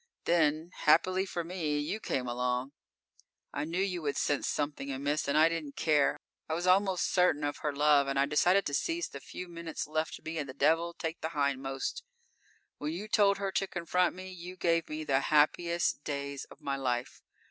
_ _Then, happily for me, you came along. I knew you would sense something amiss and I didn't care. I was almost certain of her love, and I decided to seize the few minutes left me and devil take the hindmost! When you told her to confront me, you gave me the happiest days of my life.